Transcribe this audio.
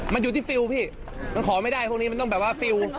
มันอยู่ที่ฟิลล์พี่มันขอไม่ได้พวกนี้มันต้องแบบว่าฟิล